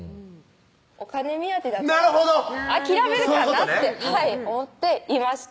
お金目当てだったら諦めるかなって思って言いました